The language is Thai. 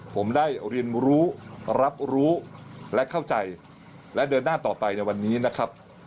ผมได้เรียนรู้รับรู้และเข้าใจและเดินหน้าต่อไปในวันนี้นะครับ